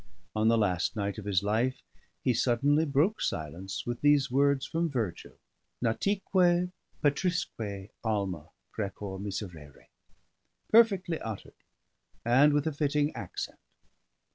On the last night of his life he suddenly broke silence with these words from Virgil: "Gnatique patrisque, alma, precor, miserere," perfectly uttered, and with a fitting accent.